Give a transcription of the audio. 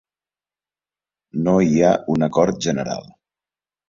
No hi ha un acord general.